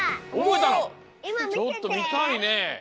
ちょっとみたいね。